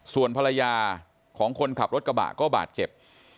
ส่วนภรรยาของคนขับรถกระบะก็บาดเจ็บ